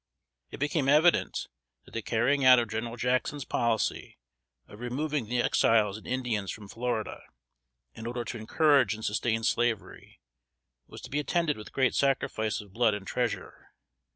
It became evident, that the carrying out of General Jackson's policy, of removing the Exiles and Indians from Florida, in order to encourage and sustain slavery, was to be attended with great sacrifice of blood and treasure.